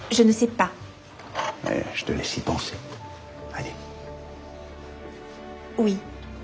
はい。